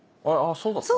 そうだったんだ。